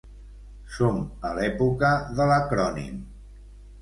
Som a l'època de l'acrònim.